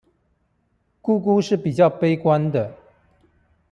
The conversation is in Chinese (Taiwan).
姑姑是比較悲觀的